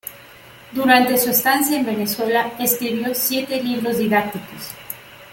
Durante su estancia en Venezuela escribió siete libros didácticos.